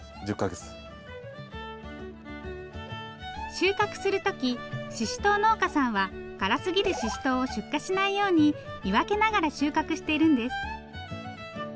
収穫する時ししとう農家さんは辛すぎるししとうを出荷しないように見分けながら収穫してるんです。